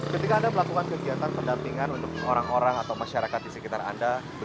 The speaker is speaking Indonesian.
ketika anda melakukan kegiatan pendampingan untuk orang orang atau masyarakat di sekitar anda